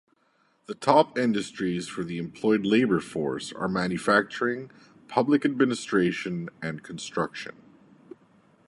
The top industries for the employed labour force are manufacturing, public administration and construction.